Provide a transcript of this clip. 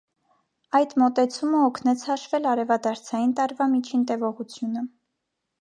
Այդ մոտեցումը օգնեց հաշվել արևադարձային տարվա միջին տևողությունը։